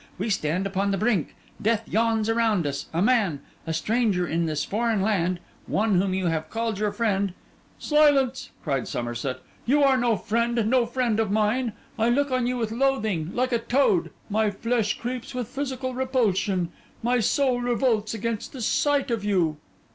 We stand upon the brink; death yawns around us; a man—a stranger in this foreign land—one whom you have called your friend—' 'Silence!' cried Somerset, 'you are no friend, no friend of mine. I look on you with loathing, like a toad: my flesh creeps with physical repulsion; my soul revolts against the sight of you.